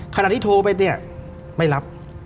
ขณะที่โทรไปเนี่ยไม่รับ